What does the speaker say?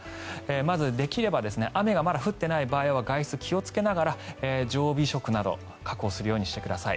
まず、できれば雨がまだ降ってない場合は外出に気をつけながら常備食など確保するようにしてください。